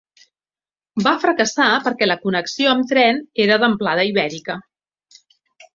Va fracassar perquè la connexió amb tren era d’amplada ibèrica.